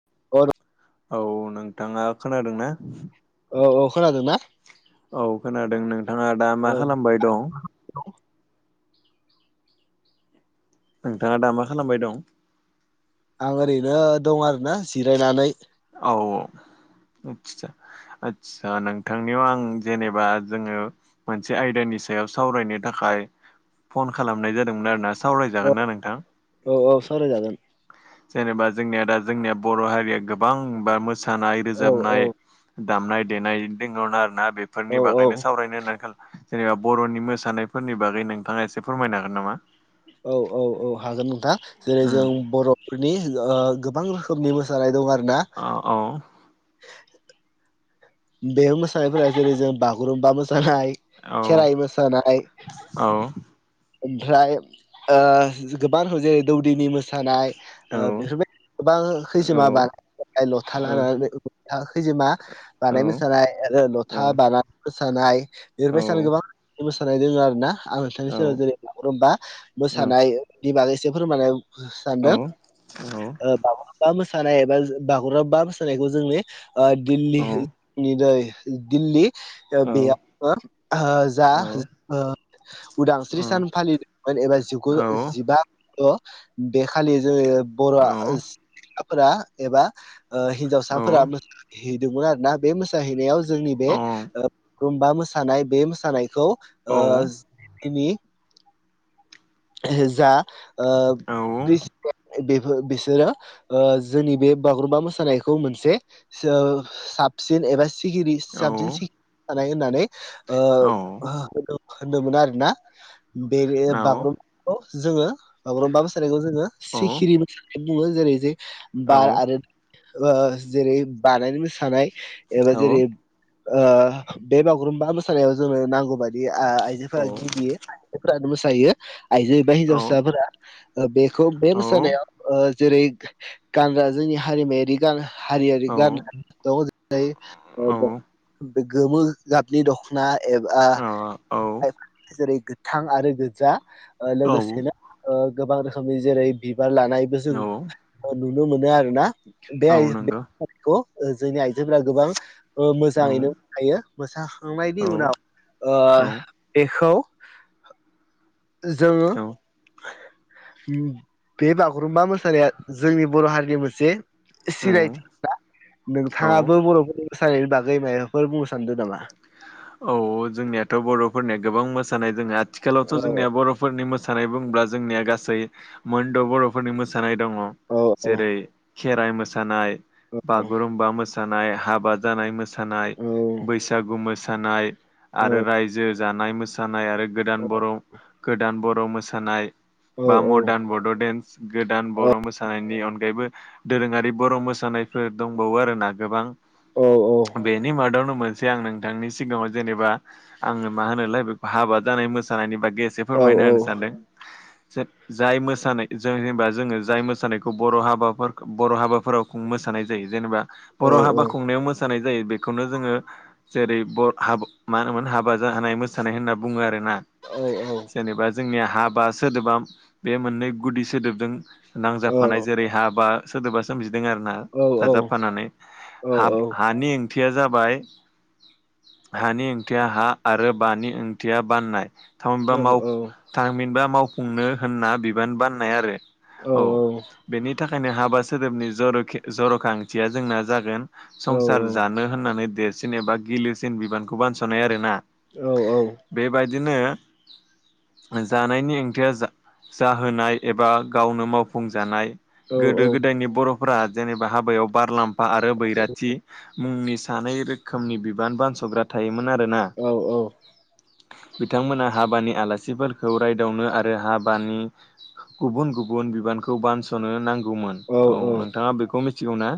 [unintelligible] औ नोंथाङा खोनादों ना? औ औ खोनादों ना? औ खोनादों नोंथाङा दा मा खालामबाय दं? नोंथाङा दा मा खालामबाय दं? आं ओरैनो दं आरोना जिरायनानै। औ आदसा, आदसा नोंथांनियाव आं जेनेबा जोङो मोनसे आयदानि सायाव सावरायनो थाखाय फन खालामनाय जादोंमोन आरोना सावराय जागोन ना नोंथां? सावराय जागोन। जेनेबा जोंनिया दा जोंनिया बर' हारिया गोबांबा मोसानाय औ औ रोजाबनाय दामनाय देनाय दङ आरो ना औ बेफोरनि औ बागैनो सावरायनो होननानै जेनेबा बर'नि मोसानायफोरनि बागै नोंथाङा एसे फोरमायनो हागोन नामा? औ औ औ हागोन नोंथां जेरै उम जों बर'फोरनि ओ गोबां रोखोमनि मोसानाय दं आ ओ औ बे मोसानायफोरा जेरै जों बागुरुम्बा मोसा नाय औ खेराइ मोसनाय औ औ ओमफ्राय ओ जो- गोबां जेरै दौदिनि मोसानाय। औ बेफोरबाय गोबां होैसोम बा नंगौ लथा औ लानानैथ खैजोमा बानाय औ मोसानाय आरो लथा औ बानानै मोसानाय लेरबाय सानो गोबां मोसानाय दङ आरो ना बिस जेरै बागुरुम्बा मोसानाय बिबाग एसे फोरमानानाय सानदों माब बा मोसानाय एबा बागुरुमा बा मोसानायखौ जोंनि दिल्लीनि नै दिल्ली बेयाव जा सस्रि औ सान फालिदोंमोन एबा जिगुज जिबा' बे खालि जोङो बर'फोरा एबा हिन्जावसाफोरा हैदोंमोन आरो ना बे मोसाहैनायाव जोंनि बे बागुरुम्बा मोसानाय बे मोसानायखौ आ तनि जा आ बे बिसोरो जोंनि बे बागुरुम्बा मोसानायखौ मोनसे साबसिन एबािरि साबसिन होननानै होनोम मोनो आरो ना बे बागुरुम्बखौ जोङो बागुरुम्बा मोसानायखौ जोङो सिखिरि मोसानायखौ बुङो जेरै जे बार आरो जेरै बानायनो मोसानाय एबा जेरै बे बागुरुम्बा मोसानायाव जोङनो नांगौ मानि आइजोफोरा गयो आइजोफोरानो मोसायो आइजो एबा हिनजावसासाफोरा बेखौ बे मोसानायाव जेरै गानग्रा जोंनि हारिमायारि गान हारियारि गाननानै दं बे गोमो गाबनि दख'ना एबा जेरै गोथां आरो गो्जा लोगोसेनो गोबां रोखोमनि जेरै बिबार लानायबो जों नुनो मोनो आरोोना बे जोंनि जेफ गोबां मोजाङैनो हायो मोसा खांनायनि उनाव बेखौ जोङो बे बागुरुम्बा मोसानाया जोंनि बर' हारिनि मोनसे सिनायथिा औ नोंथाङाबो बर'फोर मोसानायनायनि बागै माबाफोर बुंनो सानदों नामा औ जोंनियाथ' बर'फोरनिया गोबां मोसानाय जों आथिखालावथ' औ जोंनिया बर'फोरनि म मोसानाय बुङोब्ला जोंनिया गासै मोनद' बर'फोरनि मोसानाय दङ औ औ जेरै खेराइ मोसानाय बागुरुमबा मोसानाय हाबा जानाय मोसानाय औ बैसाग बैसागु मोसानाय औ आरो रायजो जानाय मोसानाय आरो गोदान बर' गोदान बर' मोसानाय औ बा मडार्न बड' डेन्स गोदान बर' मोसानायनि अनगाय अगायबो दोरोङारि बर' मोसानायफोर दंबावो आरोोना गोबां औ बेनि मनो मज ै आं नोंथांनि सिगाङाव जेनेबा आङो मा होनाय बे हाबा जानाय मोसानायनि बायदि बेसे औ फोरमायना होनो औ सानदों जाय मोसानाय ज जेनेबा जोङो जाय मोसानायखौ बर' हाबा बर' हाबाफोराव मोसानाय मोसानाय जायो जेनेबा औ बर' हाबा खुंनायाव मोसानाय जायो बेखौनो जोङो जेरै बर हाब मा होनोमोन हाबा जानाय मोसानाय होनना बुङो आरो ना औ औ जेनेबा जोंनिया हाबा सोदोबा बे मोननै गुदि सोदोबजों। नांजाबफानाय जेरै हाबा सोरदबा सोमजि आरो ना दाजाबफानानै हाब हानि ओंथिया जाबाय। हानि ओंथिया हा आरो बानि ओंथिया बाननाय थामबा थामहिनबा मावफुंनो होनना बिबान बाननाय आरो। औ बेनि थाखायनो हाबा सोदोबनि जरखि जर'खांथिया जोंना जागोन। संसार जानो होननानै देरसिन एबा गिलोसिन बिबानखौ बानस'नाय आरोना बेबायदिनो जानायनि ओंथिया जा-जाहोनाय एबा गावनो मावफुंजानाय गोदो गोदायनि बर'फोरा जेनेबा हाबायाव बारलाम्फा आरो बैराथि मुंनि। सानै रोखोमनि बिबान बानस'ग्रा थायोमोन आरो ना बिथांमोना। हाबानि आलासिफोरखौ रायदावनो आरो हाबानि गुबुन गुबुन बिबानखौ बानस'नो नांगौमोन औ नोंथाङा बेखौ मिथिगौ ना?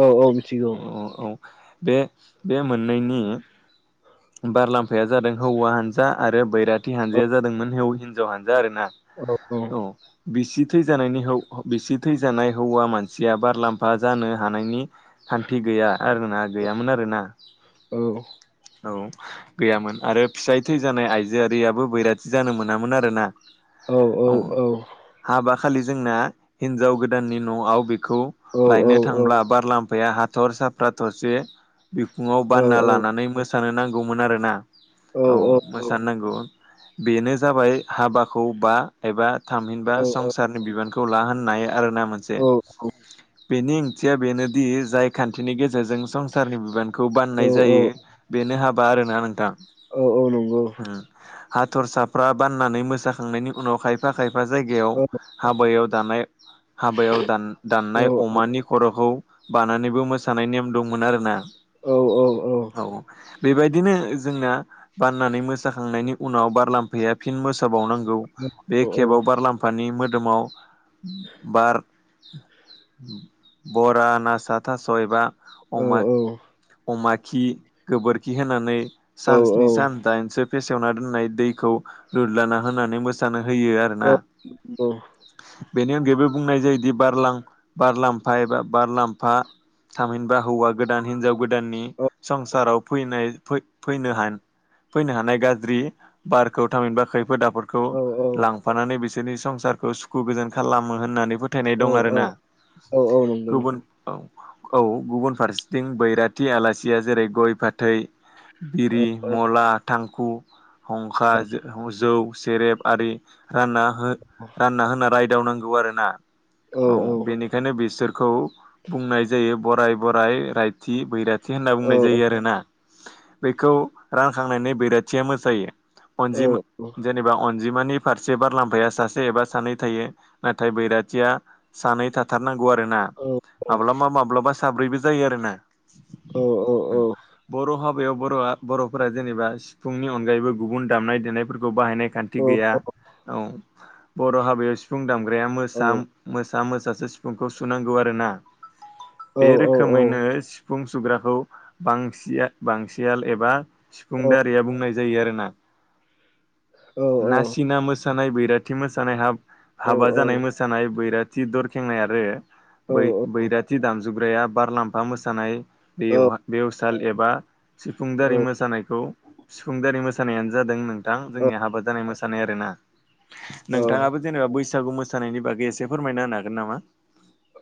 औ औ मिथिगौ। औ औ बे बे मोननैनि बारलाम्फाया जादों हौवा हानजा आरो बैराथि हानजाया जादोंमोन हिनजाव हान आरो ना औ बिसि थै जानायनि हौ बिसि थै जानाय हौवा मानसिया बारलाम्फा जानो हानायनि खान्थि गैया आरोना गैयामोन आरोना औ। औ गैयामोन आरो फिसाय थै जानाय आइजोआरियाबो बैराथि जानो मोनामोन आरो ना। औ औ औ। खालि जोंना हिनजाव गोदाननि न'आव बेखौ औ लायनो थांब्ला बारलाम्फा आफाया हाथर साफ्रा थरसे बिखुङाव औ बानना लानानै मोसानो नांगौमोन आरो ना। औ मोसाननांगौ बेनो जाबाय हाबाखौ बा एबा थामहिनबा संसारनि बिबानखौ लाहोनो हायो आरोना मोनसे बेनि थिया बेनोदि जाय खान्थिनि गेजेरजों संसारनि बिबानखौ बान्नाय जायो बेनो हाब बा आरोना नोंथां। औ औ नंगौ। उम हाथरसाफ्रा बाननानै मोसाखांनायनि उनावहाय खायफा खै बा जायगायाव औ हाबायाव दानाय हाबायाव दान दाननाय अमानि खर'खौ बानानैबो मोसानाय नेम दंमोन आरो ना औ औ। बेबायदिनो जोंना बाननानै मोसाखांनायनि उनाव बारलाम्फाया फिन मोसा बावनांगौ बे औ केेबाव बारलाम्फानि मो दोमाव बार। बरानासा थास एबा औ अमा औ। अमा खि गोबोरखि होनानै सान स्नि सान दाइनसो। फेसेवना दोननाय दैखौ लुदलाना होनानै मोसानो‌। होयो आरोना। बेनि अनगायैबो बुंनाय जायोदि बारलां बारलाम्फा एबा बारलाम्फा। थामहिनबा हौवा गोदान हिनजाव गोदाननि संसाराव फैनाय फै-फैनो फैनो हानाय गाज्रि बारखौ थामिनबा खै फोद होदाफोरखौ लांफानानै बिसोरनि संसारखौ सुखु गोजोन खालामो होननानै फोथायनाय दं आरोना औ नंगौ गुबुन नोंथां औ गुबुन फारसेथिं बैरा खाथि आलासिया जेरै गय, फाथै, औ बिरि, मला, थांखु हंखा जौ सेरेब आरि रानना हो रानना हो होना रायदावनांगौ। आरोना औ बेनिखायनो बिसोर खौ बुंनाय जायो बराय बराय रायथि बैराथि होनना औ बुंनाय जायो आरोना बेखौ रानखांनायनि बैराथिया मोसायो अनजिमा जेनेबा जिमानि फारसे बार लाम्फाया सासे एबा सानै थायो नाथाय बैरा नौ आरो ना माब्लाबा माब्लाबा साब्रैबो जायो आरो ना बर' हाब याव बर बर'फोरा जेनेबा सिफुंनि अनगायैबो गुबुन दामनाय देनायफोरखौ बाहायनाय नेखान्थि गैया औ बर' हाबायाव सिफुं दामग्राया मोसा मोसा मोसासो सिफुंखौ सुनांगौ आरोना बे रोखोमैनो सिफुं सुग्राखौ बांसिया बांसियाल एबा सिफुं दारिया बुंनाय जायो आरोना नासिना मोसानाय बै। बैराथि मोसानाय हाब हाबा जानाय मोसानाय बैराथि दरखेंनाय आरो। बै बैराथि दामजुग्राया बारलाम्फा मोसानाय बेयावब बै। साल एबा सिफुंदारि मोसानायखौ सिफुंदारि मोसानायानो जादों नों। थां जोंनि हाबा जानाय मोसानाय आरो ना औ नोंथाङाबो जेनेबा बैस। बैसागु मोसानायनि बागै एसे फोरमायना होनो हागोन नामा।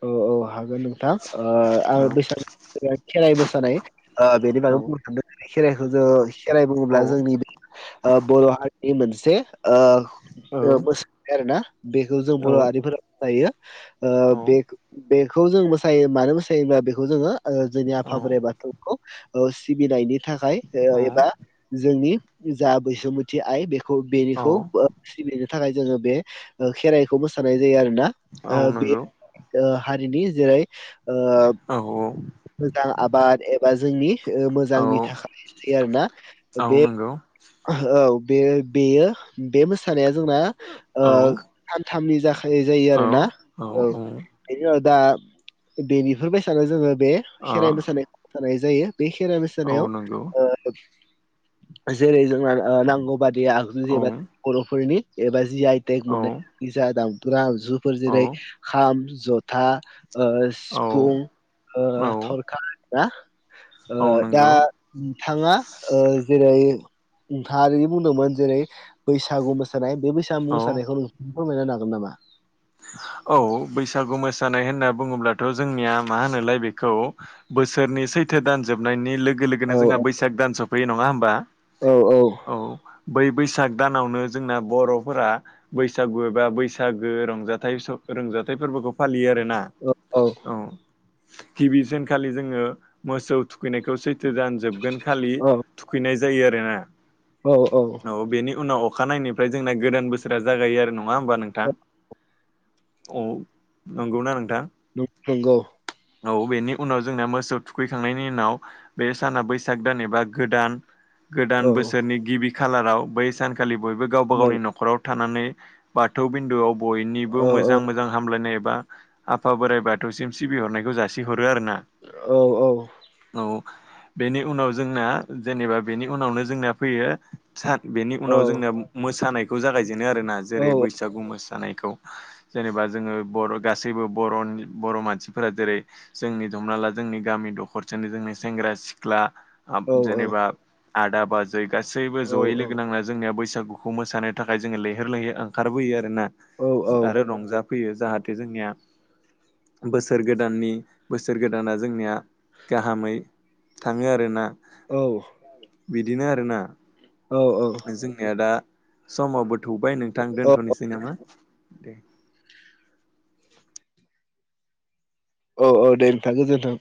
औ औ हागोन नोंथां ओ आं बैसागु खेराइ मोसानाय ओ बेनि बागै बुंनो औ सदों खेराइखौ जोङो खेराइ औ बुङोब्ला जोंनि ओ बर' हारिनि मोनसे। औ मोसानाय आरोना बेखौ जों औ बर' हारिफोरा मोसायो ओ बे बेखौ जों मोसायो मानो मोसायोब्ला बेखौ जोङो जोंनि आफा बोराइ बाथौखौ। ओ सिबिनायनि थाखाय ओ औ एबा जोंनि जा बैसुमथि आइ बे खौ औ बेनिखौ सिबिनो थाखाय जोङो बे ओ खेराइखौ मोसानाय जायो आरो। ना औ ओ बे नंगौ ओ हारिनि जेरै ओ औ। मोजां आबाद एबा जोंनि ओ औ मोजांनि थाखाय आरोना औ बे नंगौ औ बे बेयो बे मोसानाया जोंना ओ। औ थामनि जाख जायो औ आरो ना औ बेनि दा बेनिफोरबायसानो जोङो बे ओ खेराइ मोसानायखौ मोसानाय जायो। बे खेराय औ नंगौ मोसानायायाव ओ। जेरै जोंना ओ नांगौ बादि आगजु औ जेनेबा बर'फोरनि एबा। जि आइटेक मोननायज दामग्राा आगजुफोर औ जेरै खाम जथा। ओ सिफुं ओ औ थरखा ना। ओ औ दा नंगौ थाङा ओ जेरै। नोंथाङा ओ बुंदोंमोन जेरै बैसागु मोसानाय बे बैसागु औ मोसानायखौ नों। फोरमायना हागोन नामा। औ बैसागु मोसानाय होनना बुङोब्लाथ' जोंनिया मा होनोलाय बेखौ बोसोर। नि सैथो दान जोबनायनि लोगो औ लोगोनो जोंहा बैसाग दान सफैयो नङा होमबा। औ औ। बै बैसाग दानावनो जोंना बर'फोरा बैसागु एबा बैसागो रंजा। थां रोंजाथाइ फोरबोखौ फालियो आरोना औ। गिबिसिनखालि जोङो मोसौ थुखैनायखौ सैथो दान जोबगोन खालि थुखैनाय ज जायो आरोना औ औ बेनि उनाव अखानायनिफ्राय जोंना गोदान बोसोरा जागायो आरो नङा होमबा नोंथां। औ नंगौना नोंथां। नों नंगौ। औ बेनि उनाव जोंना मोसौ थुखैखांनायनि उनाव बे साना बैसाग दान एबा गोदान। गोदान औ बोसोरनि गिबि खालाराव बै सानखालि बयबो गावबा औ गावनि न'खराव। थानानै बाथौ बिन्दुआव औ औ बयनिबो मोजां औ मोजां हामलायनाय। बा आफा बोराइ बाथौसिम सिबिहरनायखौ जासिहरो आरोना औ औ। बेनि उनाव जोंना जेनेबा बेनि उनावनो जोंना फैयो। सार बेनि औ उनाव जोंना मोसानायखौ जागायजेनो आरोना औ जेरै बैसागु मोसानायखौ। जेनेबा जोङो बर' गासैबो बर' बर' मानसिफोरा जेरै जोंनि हमना ला जों। जोंनि गामि दखरसेनि जोंनि सेंग्रा सिख्ला। औ जेनेबा आदा बाजै गासैबो जयै लोगो नांना जोंनिया बैसागु। बेखौ मोसानो थाखाय जोङो लैहोर लैहोर ओंखारबोयो आरो ना। औ। आरो रंजाफैयो जाहाथे जोंनिया। बोसोर गोदाननि बोसोर गोदाना जोंनिया गाहामै। थाङो आरो ना औ। बिदिनो आरोना जोंनिया दा समावबो थौबाय नोंथां दोनथ'नोसै नामा? दे। औ औ दे नोंथां गोजोन्थों।